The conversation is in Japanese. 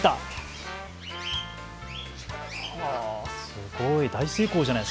すごい。